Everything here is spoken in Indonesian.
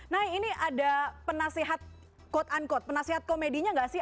nah ini ada penasehat quote unquote penasehat komedinya nggak sih